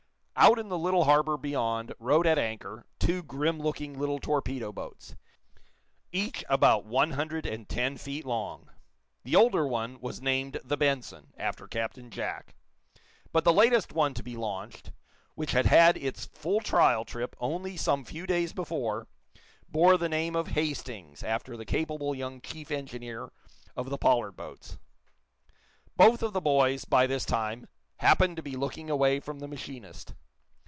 Out in the little harbor beyond rode at anchor two grim looking little torpedo boats, each about one hundred and ten feet long. The older one was named the "Benson," after Captain Jack. But the latest one to be launched, which had had its full trial trip only some few days before, bore the name of "Hastings" after the capable young chief engineer of the Pollard boats. Both of the boys, by this time, happened to be looking away from the machinist.